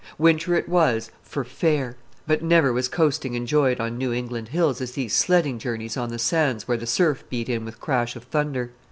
Winter it was "for fair," but never was coasting enjoyed on New England hills as these sledding journeys on the sands where the surf beat in with crash of thunder.